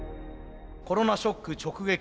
コロナショック直撃。